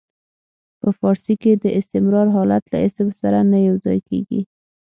په فارسي کې د استمرار حالت له اسم سره نه یو ځای کیږي.